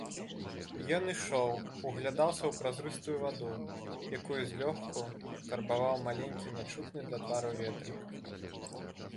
Ён ішоў, углядаўся ў празрыстую ваду, якую злёгку карбаваў маленькі, нячутны для твару ветрык.